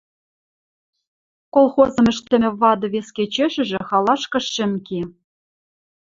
Колхозым ӹштӹмӹ вады вес кечешыжы халашкы шӹм ке.